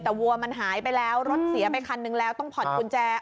แต่วัวมันหายไปแล้วรถเสียไปคันนึงแล้วต้องผ่อนกุญแจ